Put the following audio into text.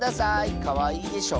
かわいいでしょ。